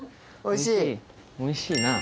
おいしい？